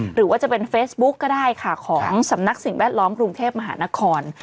หรือว่าจะเป็นเฟซบุ๊กก็ได้ค่ะของสำนักสิ่งแวดล้อมกรุงเทพมหานคร